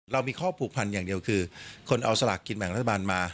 เรามีข้อผูกพันอย่างเดียวคือคนเอาสลากกินแบ่งรัฐบาลมา